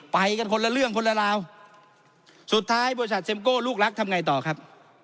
ไปกันคนละเรื่องคนละราวสุดท้ายบริษัทเมโก้ลูกรักทำไงต่อครับ